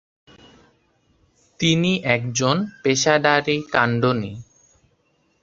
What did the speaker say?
তিনি একজন পেশাদারী কান্দনী।